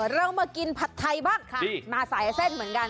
เรามากินผัดไทยบ้างมาสายเส้นเหมือนกัน